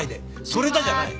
「それだ」じゃない。